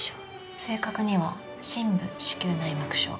正確には深部子宮内膜症。